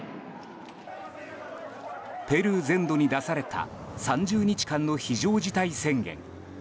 ペルー全土に出された３０日間の非常事態宣言。